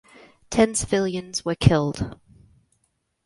Ten civilians were killed.